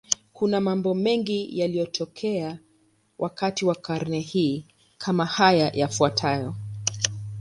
Kuna mambo mengi yaliyotokea wakati wa karne hii, kama haya yafuatayo.